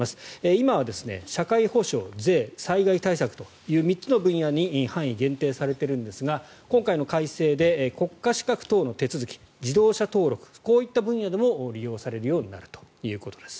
今は社会保障、税、災害対策という３つの分野に範囲が限定されているんですが今回の改正で国家資格等の手続き自動車登録こういった分野でも利用されるようになるということです。